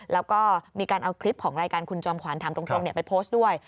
แล้วก็มีการเอาคลิปของรายการคุณจอมขวัญถามตรงไปโพสต์ด้วย